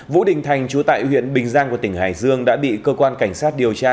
vũ đình thành chú tại huyện bình giang của tỉnh hải dương đã bị cơ quan cảnh sát điều tra